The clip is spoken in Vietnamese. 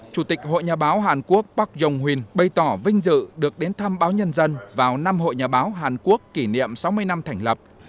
chủ tịch hội nhà báo hàn quốc park jong un bày tỏ vinh dự được đến thăm báo nhân dân vào năm hội nhà báo hàn quốc kỷ niệm sáu mươi năm thành lập